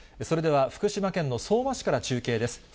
それでは福島県の相馬市から中継です。